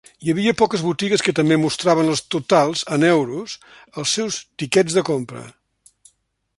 Hi havia poques botigues que també mostraven els totals en euros als seus tiquets de compra.